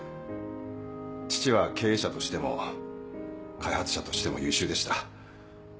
父は経営者としても開発者としても優秀でした。